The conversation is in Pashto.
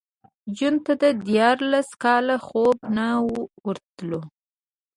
جون ته دیارلس کاله خوب نه ورتلو